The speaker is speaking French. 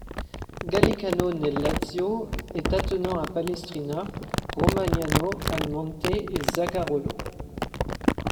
Gallicano nel Lazio est attenant à Palestrina, Romagnano al Monte et Zagarolo.